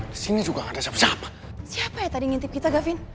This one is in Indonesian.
disini juga gak ada siapa siapa